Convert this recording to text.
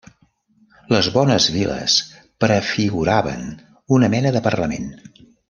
Les bones viles prefiguraven una mena de parlament.